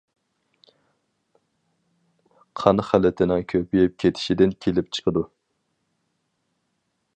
قان خىلىتىنىڭ كۆپىيىپ كېتىشىدىن كېلىپ چىقىدۇ.